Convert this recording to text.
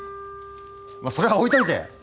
まあそれは置いといて。